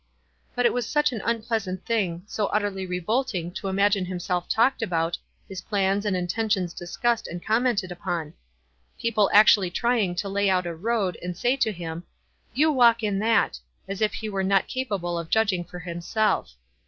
But it was such an unpleasant thing, so utterly revolting to imagine himself talked about, his plans and intentions discussed and commented upon. People actually trying to lay out a road, and say to him, "You walk in that," as if he were not capable of judging for himself.